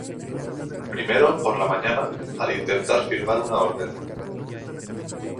Primero, por la mañana, al intentar firmar una orden.